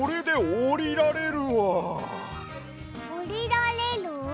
おりられる？